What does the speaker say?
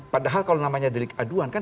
padahal kalau namanya delik aduan kan